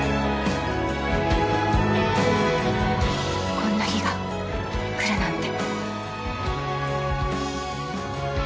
［こんな日が来るなんて］